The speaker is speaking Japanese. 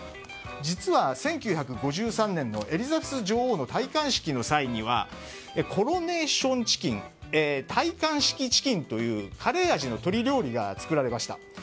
実は、１９５３年のエリザベス女王の戴冠式の際にはコロネーションチキン戴冠式チキンというカレー味の鶏料理が作られました。